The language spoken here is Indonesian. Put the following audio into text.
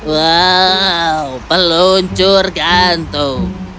wow peluncur gantung